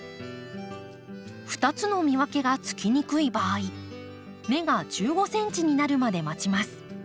２つの見分けがつきにくい場合芽が１５ｃｍになるまで待ちます。